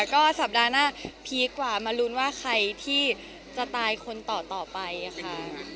ก็สัปดาห์หน้าพีคกว่ามาลุ้นว่าใครที่จะตายคนต่อไปค่ะ